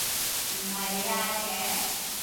唔係你嗌嘅？